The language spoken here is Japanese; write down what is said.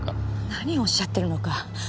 何をおっしゃっているのか。